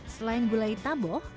selain gulai taboh